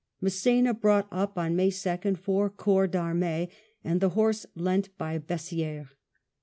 Mass^na brought up, on May 2nd, four corps dJarwAe and the horse lent by Bessi^res.